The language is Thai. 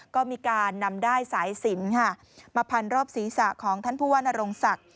ก็มีการนำด้ายสายสินค่ะมาพันรอบศีรษะของท่านผู้ว่านรงศักดิ์